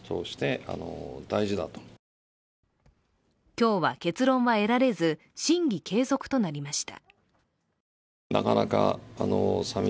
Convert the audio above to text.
今日は結論は得られず審議継続となりました。